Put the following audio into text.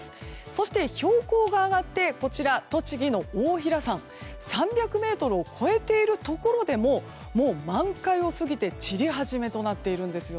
そして、標高が上がって栃木の太平山３００ｍを超えているところでももう満開を過ぎて散り始めとなっているんです。